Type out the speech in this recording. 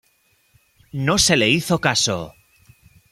No se le hizo caso.